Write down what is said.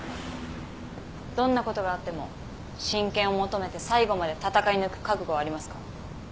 どんなことがあっても親権を求めて最後まで闘い抜く覚悟はありますか？